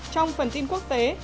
trong phần tin quốc tế